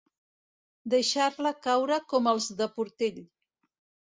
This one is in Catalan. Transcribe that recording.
Deixar-la caure com els de Portell.